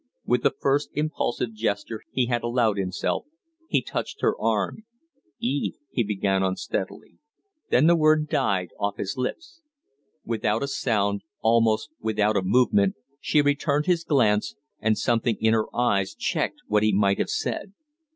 With the first impulsive gesture he had allowed himself, he touched her arm. "Eve " he began, unsteadily; then the word died off his lips. Without a sound, almost without a movement, she returned his glance, and something in her eyes checked what he might have said.